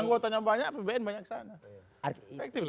anggotanya banyak apbn banyak sana